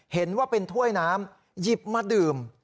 เห็นว่าเป็นถ้วยน้ำหยิบมาดื่ม